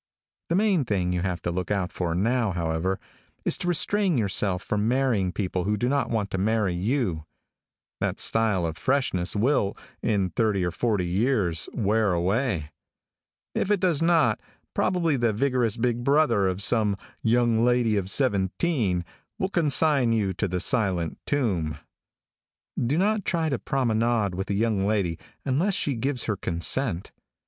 The main thing you have to look out for now, however, is to restrain yourself from marrying people who do not want to marry you. That style of freshness will, in thirty or forty years, wear away. If it does not, probably the vigorous big brother of some young lady of seventeen, will consign you to the silent tomb. Do not try to promenade with a young lady unless she gives her consent.